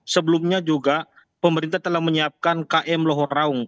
sebelumnya juga pemerintah telah menyiapkan km loharaung